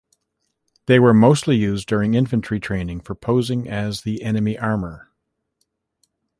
They were mostly used during infantry training for posing as the enemy armour.